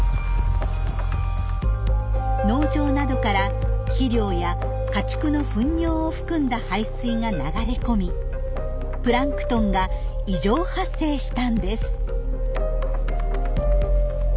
農場などから肥料や家畜の糞尿を含んだ排水が流れ込みプランクトンが異常発生したんです。